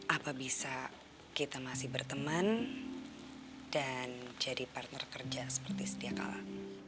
apa bisa kita masih berteman dan jadi partner kerja seperti sedia kala